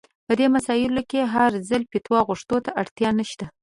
په دې مسايلو کې هر ځل فتوا غوښتو ته اړتيا نشته.